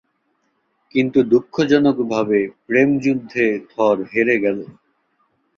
কিন্তু দুঃখজনকভাবে, প্রেমযুদ্ধে, থর হেরে গেল।